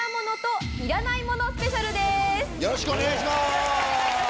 よろしくお願いします！